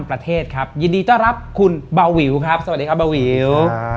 ประเทศครับยินดีต้อนรับคุณเบาวิวครับสวัสดีครับเบาวิว